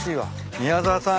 宮澤さん。